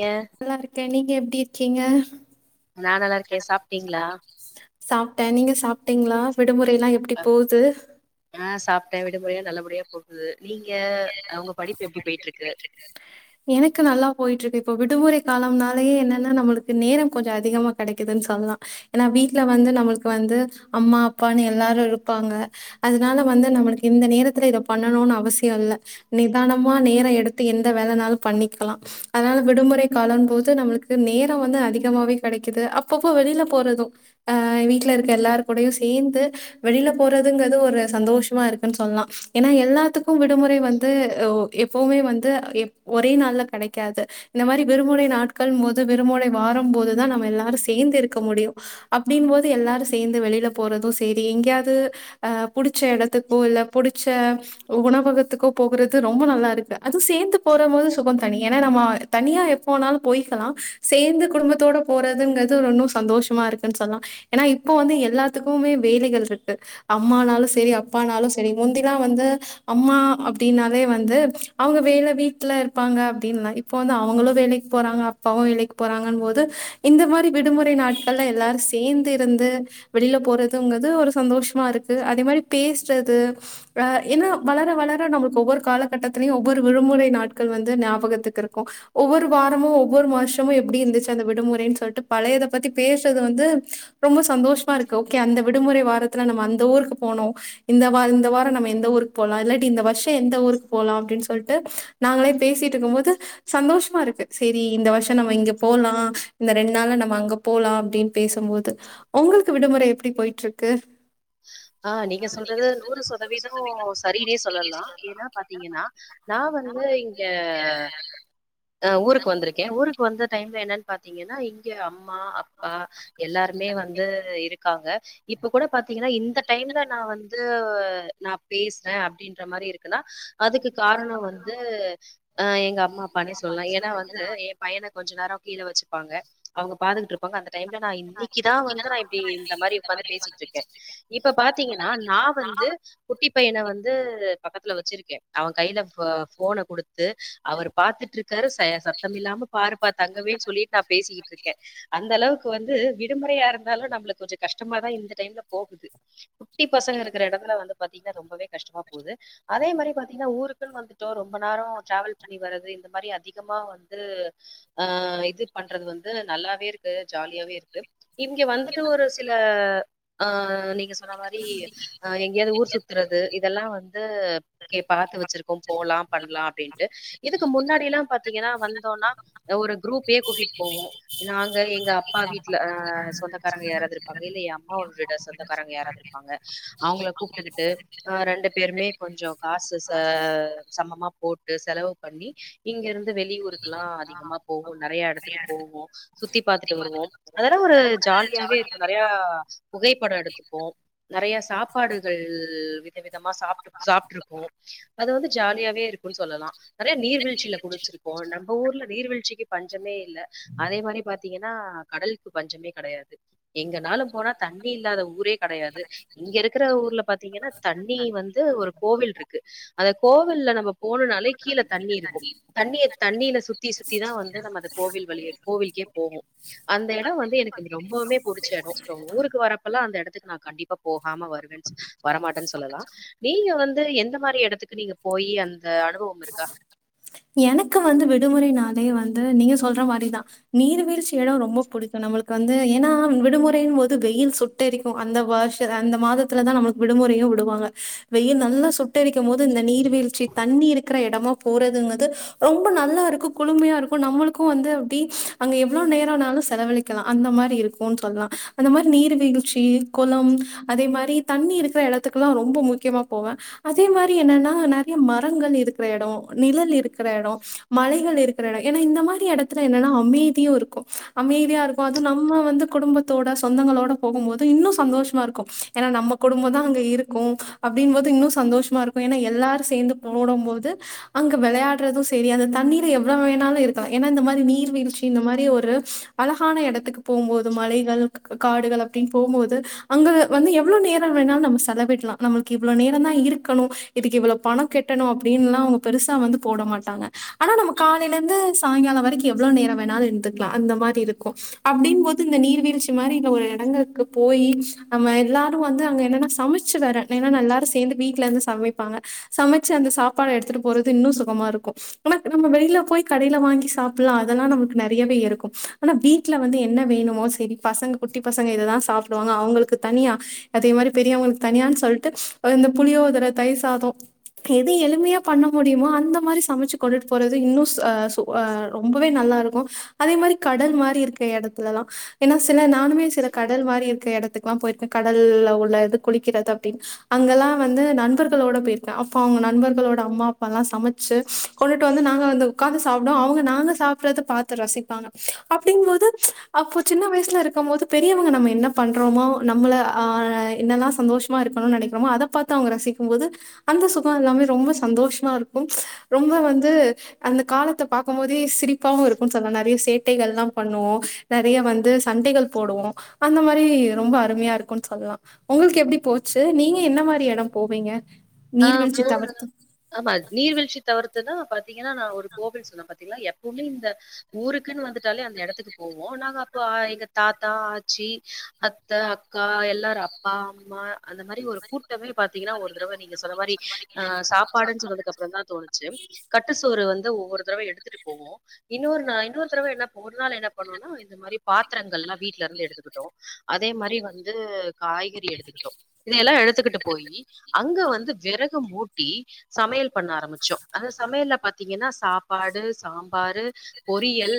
ஏ நல்லாருக்கே நீங்க எப்டி இருக்கீங்க நா நல்லா இருக்கே சாப்ட்டிங்களா சாப்ட்ட நீங்க சாப்ட்டிங்களா விடுமுறைல்லா எப்டி போது அஹ் சாப்ட்ட விடுமுறைல்லா நல்லபடியா போகுது நீங்க அ உங்க படிப்பு எப்டி போய்ட்டுருக்கு எனக்கு நல்லா போயிட்டுருக்கு இப்போ விடுமுறை காலம்னாலே என்னன்னா நம்மளுக்கு நேரம் கொஞ்சம் அதிகமா கெடைக்குதுன்னு சொல்லலா ஏன்னா வீட்ல வந்து நம்பளுக்கு வந்து அம்மா அப்பான்னு எல்லாரு இருப்பாங்க அதனால வந்து நம்பளுக்கு இந்த நேரத்துல இதப் பண்ணணுனு அவசியோ இல்ல நிதானம் மா நேரோ எடுத்து எந்த வேலன்னாலு பண்ணிக்கலா அதனால விடுமுறை காலம் போது நம்மளுக்கு நேரோ வந்து அதிகமாவே கெடைக்குது அப்பப்போ வெளில போறதும் அஹ் வீட்ல இருக்கற எல்லார் கூடையு சேந்து வெளில போறதுங்கறது ஒரு சந்தோஷமா இருக்குன்னு சொல்லா ஏன்னா எல்லாத்துக் கு விடுமுறை வந்து ஒ எப்பவுமே வந்து எப் ஒரே நாள்ல கெடைக்காது இந்த மாரி விருமுறை நாட்கள் மோது விருமுறை வாரம் போதுதா நம்ம எல்லாரு சேந்து இருக்க முடியு அப்டின்னு போது எல்லாரு சேந்து வெளியில போறது செரி எங்கேயாவ்து அ புடிச்ச எடத்துக்கோ இல்ல புடிச்ச உணவகத்துக்கோ போகுறது ரொம்ப நல்லாருக்கு அது சேந்து போறபோது சுகந் தனி ஏன்னா நம்ம தனியா எப்போன்னாலு போய்க்கலா சேந்து குடும்பத்தோட போறதுங்கிறது இன்னு சந்தோஷமா இருக்கு ன்னுசொல்லா ஏன்னா இப்போ வந்து எல்லாத்துக்குமே வேலைகள்ருக்கு அம்மானால செரி அப்பானாலு செரி முந்தில்லா வந்து அம்மா அப்டின்னாலே வந்து அவுங்க வேல வீட்டுல இருப்பாங்க அப்டின்லா இப் போ வந்து அவுங்களு வேலைக்கு போறாங்க அப்பாவு வேலைக்கு போறாங்கனு போது இந்த மாரி விடுமுறை நாட் கல்ல எல்லாரு சேந்து இருந்து வெளியில போறதுங்குறது ஒரு சந்தோஷமா இருக்கு அதே மாரி பேசுறது அ ஏன்னா வளர வளர நம்மளுக்கு ஒவ்வொரு காலகட்டத்திலயு ஒவ்வொரு விடுமுறை நாட்கள் வந்து ஞாபகத்துக்கு இருக்கு ஒவ்வொரு வாரமு ஒவ்வொரு மாச மு எப்டி இருந்துச்சு அந்த விடுமுறைன்னு சொல்லிட்டு பழையதை பத்தி பேசுறது வந்து ரொம்ப சந்தோஷமா இருக்கு ஓகே அந்த விடுமுறை வாரத் துல நம்ம அந்த ஊருக்கு போனோ இந்த வார இந்த வாரோ நம்ம எந்த ஊருக்கு போலா இல்லாட்டி இந்த வர் எந்த ஊருக்கு போலா அப்டின்னு சொல்ட்டு நாங்களே பேசிட்டு இருக்கு போது சந்தோஷமாருக்கு செரி இந்த வர்ஷோ நம்ம இங்க போலா இந்த ரெண்டு நாளா நம்ம அங்க போலா அப்டின்னு பேசுபோது உங்களுக்கு விடுமுறை எப்டி போய்ட்ருக்கு ஆ நீங்க சொல்றது நூறு சதவீதம் சரினே சொல்லலா ஏன்னா பாத்தீங்கன்னா நா வந்து இங்க ஆ ஊருக்கு வந்திருக்கே ஊருக்கு வந்த டைம்ல என்னன்னு பாத்தீங்கன்னா இங்க அம்மா அப் பா எல்லாருமே வந்து இருக்காங்க இப்ப கூட பாத் தீங்கன்னா இந்த டைம்ல நா வந்து நா பேசுறே அப்டின்ற மாரி இருக்குன்னா அதுக்கு காரணோ வந்து அ எங்க அம்மா அப்பானே சொல்லலா ஏன்னா வந்து எ பையன கொஞ்ச நேரோ கீழ வச்சுப்பாங்க அவுங்க பாத்துட்டு இருப் ப்பங்க அந்த டைம்ல நா இன்னைக்குதா வந்து நா இப்டி இந்த மாரி உக்காந்து பேசிட்ருக்கே இப்ப பாத்தீங்கன்னா நா வந்து குட்டிப் பையன வந்து பக்கத்துல வச்சிருக்கே அவங் கையில ஃப் ஃபோனக் குடுத் து அவர் பாத்துட்டு இருக்காரு சை சத்தம் இல்லாம பாருப்பா தங்கமேன்னு சொல்லிட்டு நா பேசிக்கிட்டு இருக்கே அந்த அளவுக்கு வந்து விடுமுறையா இருந்தாலு நம்மளுக்கு கொஞ்சோ கஷ்டமாதா இந்த டைம்ல போகுது குட்டிப் பசங்க இருக்கிற எடத்துல வந்து பாத்தீங்கன்னா ரொம்பவே கஷ்டமா போது அதே மாதிரி பாத்தீங்கன்னா ஊருக்குன் வந்துட்டோ ரொம்ப நேரோ டிராவல் பண்ணி வர்து இந்த மாரி அதிகமா வந்து ஆ இது பண்றது வந்து நல்லாவே இருக்கு ஜாலியாவே இருக்கு இங்க வந்துட்டு ஒரு சில அ நீங்க சொன்ன மாரி அ எங்கயாவ்து ஊர் சுத் த்துறது இதெல்லா வந்து கே பாத்து வச்சிருக்கோ போலா பண்ணலாம அப்டின்ட்டு இதுக்கு முன்னாடி எல்லா பாத்தீங்கன்னா வந்தோனா ஒரு குரூப்பே கூட்டிட்டு போவோ நாங்க எங்க அப்பா வீட்டுல அ சொந்தக்காரங்க யாறாது இருப்பாங்க இல்ல எ அம்மா வீட் சொந்தக்காரங்க யாராவ்து இருப்பாங்க அவுங்கள கூப்பிட்டுக்கிட்டு ஆ ரெண்டு பேருமே கொஞ்சோ காசு ச சமமா போட்டு செலவு பண்ணி இங்கிருந்து வெளியூருக்கெல்லா அதிகமா போவோ நெறைய எடத்துக்கு போவோ சுத்தி பாத்துட்டு வருவோ அதெல்லா ஒரு ஜாலியாவே இருக்கு நெறைய புகைப்பட எடுத்துப்போ நறைய சாப்பாடுகள் வித விதமா சாப்ட்டு சாப்ட்ருக்கோ அது வந்து ஜாலியாவே இருக்கும்ன்னு சொல்லலா நறைய நீர்வீழ்ச்சியில குளிச்சிருக்கோ நம்ப ஊர்ல நீர்வீழ்ச்சிக்கு பஞ்சமே இல்ல அதே மாரி பாத்தீங்கன்னா கடலுக்கு பஞ்சமே கடையாது எங்கனாலு போனா தண்ணி இல்லாத ஊரே கெடையாது இங்க இருக்கிற ஊர்ல பாத்தீங்கன்னா தண்ணி வந்து ஒரு கோவில் இருக்கு அந்த கோவில்ல நம்ம போனுனாலே கீழ தண்ணி இருக்கும் தண்ணிய தண்ணில சுத்தி சுத்திதா வந்து நம்ம அந்த கோவில் வழிய கோவிலுக்கே போவோ அந்த எடம் வந்து எனக்கு ரொம்பவுமே புடிச்ச எடம் ரொம் ஊருக்கு க்கு வரப்பல்ல அந்த இடத்துக்கு நான் கண்டிப்பா போகாம வருவேன் ஸ் வரமாட்டேன்னு சொல்லலா நீங்க வந்து எந்த மாரி எடத்துக்கு நீங்க போயி அந்த அனுபவம் இருக்கா எனக்கு வந்து விடுமுறைனாலே வந்து நீங்க சொல்ற மாரிதா நீர்வீழ்ச்சி இட ரொம்ப பிடிக்கு நம்மளுக்கு வந்து ஏனா விடுமுறையின் போது வெயில் சுட் ட்டெரிக்கு அந்த வருஷ அந்த மாதத்துல தா நம்மளுக்கு விடுமுறையு விடுவாங்க வெயில் நல்லா சுட்டெரிக்கும் போது இந்த நீர் வீழ்ச்சி தண்ணி இருக்கிற இடமா போறதுங்கு து ரொம்ப நல்லா இருக்கு குழுமையா இருக்கு நம்மளுக்கும் வந்து அப்டி அங்க எவ்ளோ நேரனாலு செலவழிக் கலா அந்த மாரி இருக்குனு சொல்லலா அந்த மாரி நீர்வீழ்ச்சி குளம் அதே மாரி தண்ணி இருக்கிற எடத்துக்குல்லா ரொம்ப முக்கியமா போவே அதே மாரி என்னன்னா நெறைய மரங்கள் இருக்கிற எடோ நிழல் இரு க்கிற எடோ மலைகள் இருக்கிற எடோ ஏனா இந்த மாரி எடத்துல என்னன்னா அமை தியு இருக்கு அமைதியா இருக்கு அது நம்ம வந்து குடும்பத்தோட சொந்தங்களோட போகும் போது இன்னு சந்தோஷமா இருக்கு ஏனா நம்ம குடும்பம் தா அங்க இருக்கு அப்டிங் போது இன்னு சந்தோஷ் மா இருக்கு ஏனா எல்லாரும் சேர்ந்து போடும் போது அங்க வெளையாட் ட்றது சேரி அந்த தண்ணீர எவ்ளோ வேணாலு இருக்கலா ஏனா இந்த மாரி நீர் வீழ்ச்சி இந்த மாரி ஒரு அழகான எடத்துக்கு போம்போது மலைகள் காடுகள் அப்டின்னு போம்போது அங்க வந்து எவ்ளோ நேரம் வேணாலு நம்ம செலவிடலா நம்மளுக்கு இவ்வளவு நேர தா இருக்கணு இதுக்கு இவ்வளோ பணம் கட்டணும் அப்டின்னுலா அவுங்க பெருசா வந்து போட மாட்டாங்க ஆனா நம்ம காலையில இருந்து சாயங்காலம் வரைக்கு எவ்ளோ நேரம் வேணால இருந்து க்லா அந்த மாரி இருக்கு அப்டின் போது இந்த நீர்வீழ்ச்சி மாரி இல்ல ஒரு இடங்களுக்கு போயி நம்ம எல்லாரும் வந்து அங்க என்னனா சமச் சு வேற ஏனா எல்லாரும் சேந்து வீட்டல இருந்து சமைப்பாங்க சமைச்சு அந்த சாப்பாட எடுத்துட்டு போறது இன்னு சொ மா இருக்கு ஆனா நம்ம வெளில போய் கடையில வாங்கி சாப்பிடலா அதெல்லா நமக்கு நெறையவே இருக்கும் ஆனா வீட்ல வந்து என்ன வேணுமோ சேரி பசங்க குட்டி பசங்க இத தா சாப்பிடுவாங்க அவங்களுக்கு தனியா அதே மாரி பெரியவங்களுக்கு தனியானு சொல்லிட்டு இந்த புளியோதரை தயிர் சாதோ எது எளிமையா பண்ண முடியுமோ அந்த மாரி சமைச்சு கொண்டுட்டு போறது இன்னு சோ அ சோ அ ரொம்பவே நல்லா இருக்கு அதே மாரி கடல் மாரி இருக் க எடத்துலல்லா ஏனா சில நானுமே சில கடல் மாரி இருக்க எடத்துக் லா போயிருக்கே கடல்ல உள்ள இது குளிக்கிறது அப்டின்னு அங்கல்லா வந்து நண்பர்களோட போயிருக்கே அப்போ அவுங்க நண்பர்களோட அம்மா அப்பா எல்லா சமச் சு கொண்டுட்டு வந்து நாங்க அந்து உட்காந்து ஸ் சாப்டுவோ அவங்க நாங்க சாப்படுறது பாத்து ரசிப்பாங்க அப்படிங்கும்போது அப்ப சின்ன வயசல இருக்கம்போது பெரியவங்க நம்ம என்ன பண்றோமோ நம்மள ஆ என்னெல்லா சந்தோஷமா இருக்கணும்னு நெனைக்கிறோமோ அத பாத் து அவுங்க ரசிக்கும் போது அந்த சுகம் எல்லாமே ரொம்ப சந்தோஷமா இருக் கும் ரொம்ப வந்து அந்த காலத்த பாக்கம் போதே சிரிப்பாவு இருக்கும்னு சொன்னலாம் நெறைய சேட்டைகள் எல்லா பண்ணுவோ நெறய வந்து சண்டைகள் போடுவோ அந்த மாரி ரொம்ப அருமையா இருக்கு சொல்லலா உங்களுக்கு எப்டி போச் சு நீங்க என்ன மாரி இடம் போவீங்க ஆ. போ நீர்வீழ்ச்சி தவிர்த்து ஆமா நீர்வீழ்ச்சி தவிர்த்துனா பாத்தீங்கன்னா நா ஒரு கோவில் சொன்னே பாத்தீங்ளா எப்பவுமே இந்த ஊருக்குன்னு வந்துட்டாலே அந்த எடத்துக்கு போவோ நாங்க அப்ப எங்க தாத்தா ஆச்சி அத்த அக்கா எல்லாரு அப்பா அம்மா அந்த மாரி ஒரு குட் தவ்வி பாத்தீங்கனா ஒரு தடவை நீங்க சொன்ன மாரி ஆ சாப்பாடுன் சொன்னதுக் அப்புறம் தா தோணுசி கட்டுசோறு வந்து ஒவ்வொரு தடவ எடுத்துட்டு போவோ இன்னொரு நா இன்னொரு தடவ என்ன ஒரு நாள் என்ன பண்ணுனா இந்த மாரி பாத்திரங்கள்லா வீட்டுல இருந்து எடுத்துகிட்டோ அதே மாரி வந்து காய்கறி எடுத்துகிட்டோ இதையெல்லா எடுத்து கிட்டு போயி அங் அங்க வந்து வெறகு மூட்டி சமையல் பண்ண ஆரம்பிச்சோ அது சமையல்ல பாத்தீங்கனா சாப்பாடு சாம்பாரு பொரியல்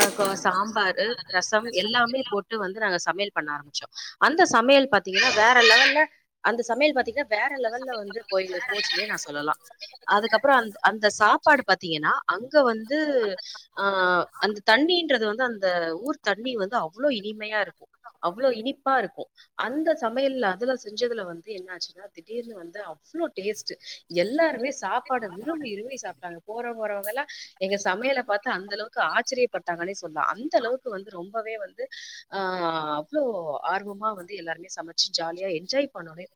அ சாம்பாரு ரசம் எல்லாமே போட்டு வந்து நாங்க சமையல் பண்ண ஆரம்பிச்சோ அந்த சமையல் பாத்தீங்கனா வேற லெவல்ல அந்த சமையல் பாத்தீங்கனா வேற லெவல்ல வந்து கோயில்ல போச்சுன்னே நா சொல்லலா அதுக்கப்புறம் அந் அந்த சாப்பாடு பாத்தீங்கனா அங்க வந்து ஆ அந்த தண்ணின்றது வந்து அந்த ஊர் தண்ணி வந்து அவ்ளோ இனிமையா இருக்கும் அவ்ளோ இனிப்பா இருக்கும் அந்த சமையல்ல அதுல செஞ்சதுல வந்து என்ன ஆச்சுன்னா தீடின்னுனு வந்து அவ்ளோ டேஸ்ட் எல்லாருமே சாப்பாட விரும்பி விரும்பி சாப் போறவங் வர்வங்கல்லாம் எங்க சமையல பாத்து அந்த அளவுக்கு ஆச்சரியப்பட்டாங்கனு சொன்னா அந்த அளவுக் வந்து ரொம்பவே வந்து ஆ அவ்ளோ ஆர்வமா வந்து எல்லாருமே சமைச்சி ஜாலியா என்ஜாய் பண்னொனே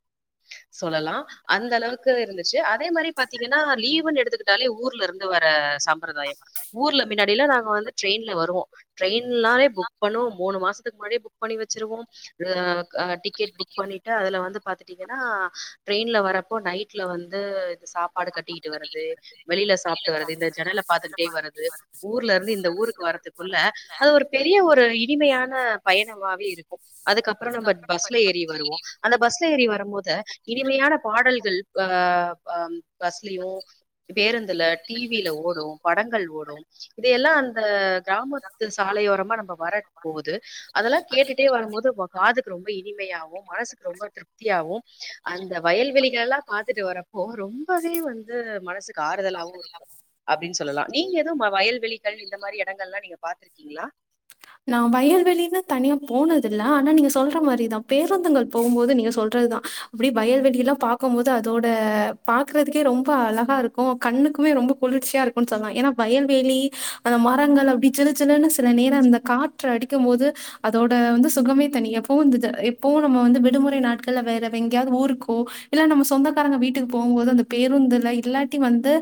சொல்லலா அந்த அளவுக்கு இருந்துச்சி அதே மாரி பாத்தீங்கன்னா லீவுன்னு எடுத்துக்கிட்டாலே ஊர்ல இருந்து வர சம்பரதாயம் ஊர்ல மின்னாடிலா நாங்க வந்து ட்ரெயின்ல வருவோ ட்ரெயின்னாலே புக் பண்ணுவோ மூணு மாசத்துக்கு முன்னாடியே புக் பண்ணி வச்சுருவோம் அ அ டிக்கெட் புக் பண்ணிட்டு அதுல வந்து பாத்துடீங்கனா ட்ரெயின்ல வரப்போ நைட்ல வந்து சாப்பாடு கட்டிட்டு வர்றது வெளில சாப்ட்டு வர்றது இந்த ஜன்னல பாத்துகிட்டே வர்றது ஊர்லருந்து இந்த ஊருக்கு வர்றதுகுள்ள அது ஒரு பெரிய ஒரு இனிமையான பயணமாவே இருக்கும் அதுக்கப்றோ நம்ப பஸ்ல ஏறி வருவோ அந்த பஸ்ல ஏறி வரப் ம்போது இனிமையான பாடல்கள் அ அம் பஸ்லயோ பேருந்துல டிவில ஓடும் படங்கள் ஓடும் இதையெல்லா அந்த கிராமத்து சாலையோரமா நம்ப வரக் போவுது அதெல்லா கேட்டுட்டே வரம்போது காதுக்கு ரொம்ப இனிமையாவு மனசுக்கு ரொம்ப திருப்தியாவு அந்த வயல்வெளிகல்லா பாத்துட்டு வரப்போ ரொம்பவே வந்து மனசுக்கு ஆறுதலாவு இருக்கு அப்டின் சொல்லலா நீங்க எதும் வயல்வெளிகள் இந்த மரி எடங்கள்ளா நீங்க பாத்திருக்கீங்ளா நா வயல்வெளினு தனியா போனதில்ல ஆனா நீங்க சொல்ற மாரிதா பேருந்துங்கள் போவுபோது நீங்க சொல்றதுதா அப்டி வயல்வெளிலா பாக்கும் போது அதோட பாக்றதுக்கே ரொம்ப அழகா இருக்கும் கண்ணுக்குமே ரொம்போ குளிர்ச்சியா இருக்குன் சொல்லா ஏனா வயல்வெளி அத மரங்கள் அப்டி ஜிலு ஜிலுன்னு சில நேரம் அந்த காற்று அடிக்கும் போது அதோட வந்து சுகமே தனி எப்போ இந்துத எப்பவு நம்ம வந்து விடுமுறை நாட்கள்ல வேற வெங்யாது ஊருக்கோ இல்ல நம்ம சொந்தக்காரங்க வீட்டுகு போம்போது அந்த பேருந்துல இல்லாட்டி வந்து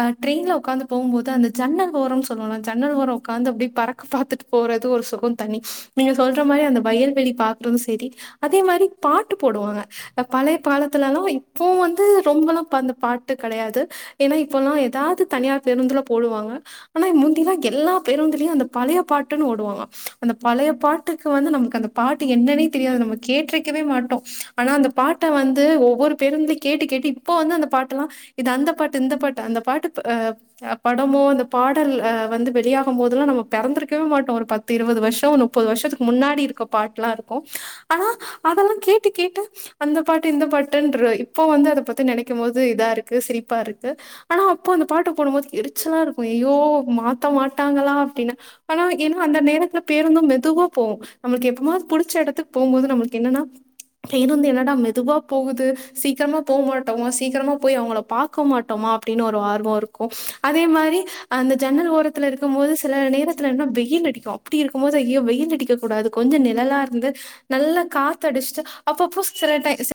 அ ட்ரெயின்ல உக்காந்து போம்போது அந்த ஜன்னல் ஓரம் சொல்லலா ஜன்னல் ஓரம் உக்காந்து அப்டி பறக் பாத்துட்டு போறது ஒரு சுகம் தணி நீங்க சொல்ற மாரி அந்த வயல்வெளி பாக்குறது செரி அதே மாரி பாட்டு போடுவாங்க அப் பழைய பாலத்துலலாம் இப்போ வந்து ரொம்பெலாம் பந்த பாட்டு கடையாது ஏனா இப்பலா எதாது தனியார் பேருந்துல போடுவாங்க ஆனா முந்திலா எல்லா பேருந்துலயு அந்த பளைய பாட் ட்டுன்னு ஓடுவாங்க அந்த பழைய பாட்டுக்கு வந்து நமக்கு அந்த பாட்டு என்னன்னே தெரியாது நம்ம கேட்ருக்கவே மாட்டோ ஆனா அந்த பாட்ட வந்து ஒவ்வொரு பேருந்த்லி கேட்டு கேட்டு இப்போ வந்து அந்த பாட்டுல்லா இது அந்த பாட்டு இந்த பாட்டு அந்த பாட்டு ப அ படமோ அந்த பாடல் அ வந்து வெளியாக போதுல்லா நம்ம பெறந்துரு கவே மாட்டோ ஒரு பத்து இருவது வர்ஷோ நுப்பது வருஷதுக்கு முன்னாடி இருக்க பாட்டுலா இருக்கு அ ஹா ஹ அதெல்லா கேட்டு கேட்டு அந்த பாட்டு இந்த பாட்டுன்றுவ இப்போ வந்து அத பத்தி நெனைக்கு போது இதாருக்கு சிரிப்பா இருக்கு ஆனா அப்போ அந்த பாட்டு போடும்போது எரிச்சலாருக்கும் ஐயோ மாத்த மாட்டாங்களா அப்டினு ஆனா ஏனா அந்த நேரத்துல பேருந்தும் மெதுவா போவு நம்ளுக்கு எப்பமாது புடிச்ச எடத்து போவும்போது நம்ளுக்கு என்னன்னா பேருந்து என்னடா மெதுவா போகுது சீக்ரமா போ மாட்டமா சீக்ரமா போய் அவங்கள பா க்க மாட்டோமா அப்டின்னு ஒரு ஆர்வ இருக்கும் அதே மாரி அந்த ஜன்னல் ஓரத்துல இருக்கும்போது சில நேர த்லனா வெயில் அடிக்கு அப்டி இருக்கும் போது ஐயோ வெயில் அடிக்க கூடாது கொஞ்ச நிழலா இருந்து நல்லா காத்தடிச்சு அப்பப்ப சில டை சி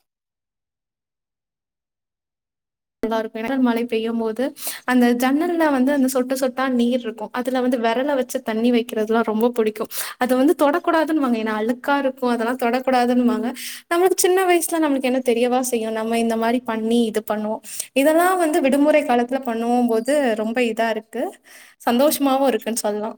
இதா இருக்கு ஜன்னல் மழை பெய்யு போது அந்த ஜன்னல்ல வந்து அந்த சொட்டு சொட் டா நீர்ருக்கு அதுல வந்து வெரல வச்சு தண்ணி வெக்றதல்லா ரொம்ப புடிக்கும் அது வந்து தொடக்கூடாதுன்னு வாங்க ஏனா அழு கா இருக்கும் அதெல்லா தொடக்கூடாதும் பாங்க நம்ளு சின்ன வயசுல நம்ளுக்கு என்ன தெரியவா செய்யு நம்ம இந்த மாரி பண்ணி இத பண்வோ இதெல்லா வந்து விடுமுறை காலத்துல பண்ணுவோ போது ரொம்ப இதா இருக்கு சந்தோஷமாவும் இருக்குன் சொல்லா